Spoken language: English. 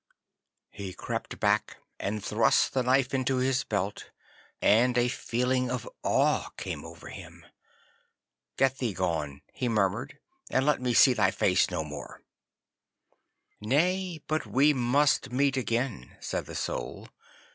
He crept back, and thrust the knife into his belt, and a feeling of awe came over him. 'Get thee gone,' he murmured, 'and let me see thy face no more.' 'Nay, but we must meet again,' said the Soul.